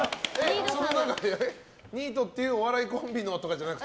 ニートっていうお笑いコンビのとかじゃなくて？